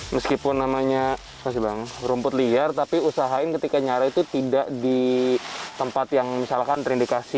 meskipun namanya apa sih bang rumput liar tapi usahain ketika nyari itu tidak di tempat yang misalkan terindikasi